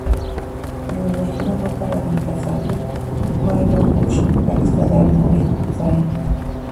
El elegido para reemplazarle fue John Bush, vocalista de Armored Saint.